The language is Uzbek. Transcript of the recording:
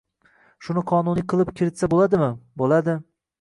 Shuni qonuniy qilib kiritsa bo‘ladimi, bo‘ladi.